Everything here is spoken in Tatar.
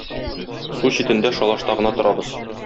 Су читендә шалашта гына торабыз.